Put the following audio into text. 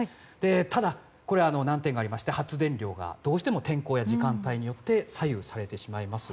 ただ、難点がありまして発電量がどうしても天候や時間帯によって左右されてしまいます。